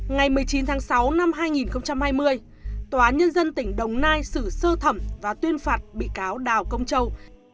ngày một mươi chín tháng sáu năm hai nghìn hai mươi tòa án nhân dân tỉnh đồng nai xử sơ thẩm và tuyên phạt bị cáo đào công châu